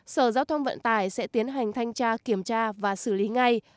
sở giao thông vận tải sẽ tiến hành thanh tra kiểm tra và xử lý ngay